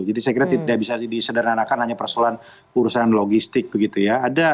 jadi saya kira tidak bisa disederhanakan hanya persoalan urusan logistik begitu ya